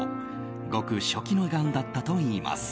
ごく初期のがんだったといいます。